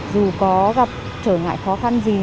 dù có gặp trở ngại khó khăn gì